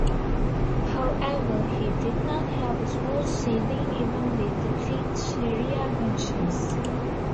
However, he did not have a smooth sailing even with the clipped Sharia Benches.